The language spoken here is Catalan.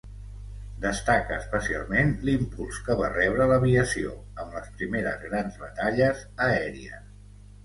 Destaca especialment l'impuls que va rebre l'aviació, amb les primeres grans batalles aèries.